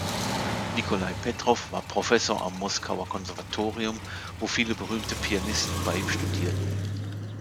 Nikolai Petrow war Professor am Moskauer Konservatorium, wo viele berühmte Pianisten bei ihm studierten.